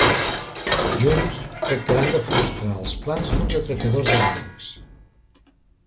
Junts, tractaran de frustrar els plans d'uns atracadors de bancs.